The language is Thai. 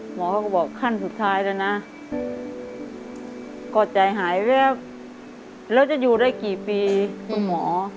หมอก็บอกขั้นสุดท้ายแล้วนะก็ใจหายแวบแล้วจะอยู่ได้กี่ปีคุณหมอ